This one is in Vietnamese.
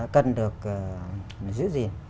cần được giữ gìn